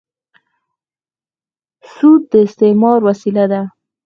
سود د استثمار وسیله ده.